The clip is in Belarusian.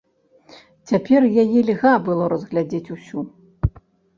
Цяпер яе льга было разгледзець усю.